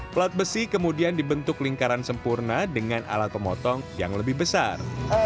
pelat besi kemudian dibentuk lingkaran sempurna dengan alat pemotong yang lebih besar